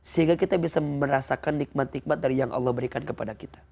sehingga kita bisa merasakan nikmat nikmat dari yang allah berikan kepada kita